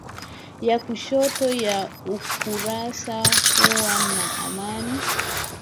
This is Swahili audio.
ya kushoto ya ukurasa Kuwa na aina